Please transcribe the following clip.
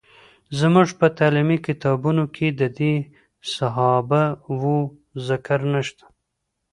زموږ په تعلیمي کتابونو کې د دې صحابه وو ذکر نشته.